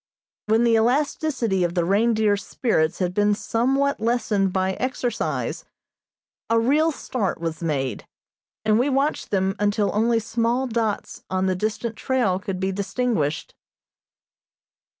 When the elasticity of the reindeer's spirits had been somewhat lessened by exercise, a real start was made, and we watched them until only small dots on the distant trail could be distinguished.